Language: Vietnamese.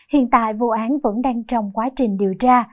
hiện tại vụ án vẫn đang trong quá trình điều tra